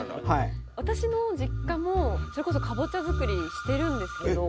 私の実家もそれこそかぼちゃ作りしてるんですけど。